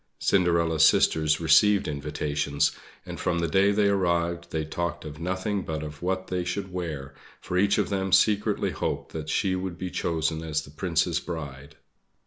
Cinderella's sisters received invitations; and from the day they arrived they talked of nothing but of what they should wear, for each of them secretly hoped that she would be chosen as the Prince's bride.